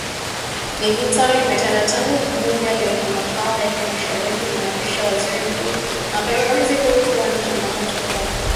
Mivutano imetanda tangu bunge lenye makao yake mashariki kumwapisha Waziri Mkuu mapema mwezi huu ikiwa ni changamoto kwa Waziri wa muda Abdulhamid Dbeibah